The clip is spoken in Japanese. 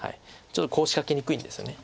ちょっとコウを仕掛けにくいんですよね。